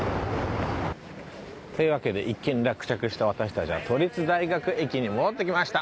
というわけで一件落着した私たちは都立大学駅に戻ってきました。